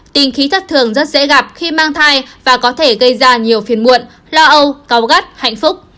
tình khí thất thường rất dễ gặp khi mang thai và có thể gây ra nhiều phiền muộn lo âu có gắt hạnh phúc